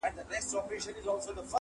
چي پاچا ته خبر راغی تر درباره،